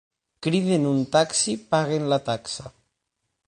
Criden un taxi, paguen la taxa.